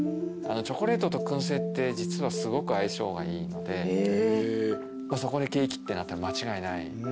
チョコレートと燻製って実はすごく相性がいいのでそこにケーキってなったら間違いない。